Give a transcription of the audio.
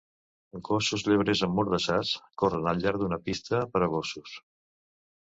Gossos llebrers emmordassats corren al llarg d'una pista per a gossos.